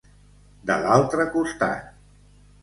De l'altre costat.